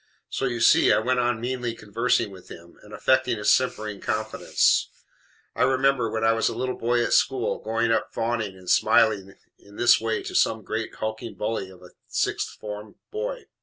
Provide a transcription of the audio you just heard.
So, you see, I went on meanly conversing with him, and affecting a simpering confidence. I remember, when I was a little boy at school, going up fawning and smiling in this way to some great hulking bully of a sixth form boy.